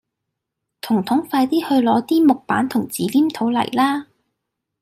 彤彤快啲去攞啲木板同紙黏土嚟啦